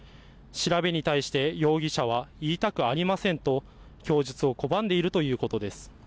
調べに対して、容疑者は言いたくありませんと、供述を拒んでいるということです。